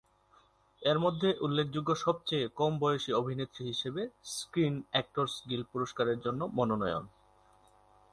এর মধ্যে উল্লেখযোগ্য সবচেয়ে কম বয়সী অভিনেত্রী হিসেবে স্ক্রিন অ্যাক্টরস গিল্ড পুরস্কারের জন্য মনোনয়ন।